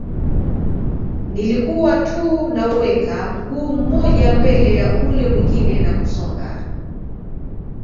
Nilikuwa tu nauweka mguu mmoja mbele ya ule mwingine na kusonga